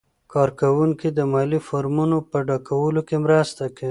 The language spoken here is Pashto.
کارکوونکي د مالي فورمو په ډکولو کې مرسته کوي.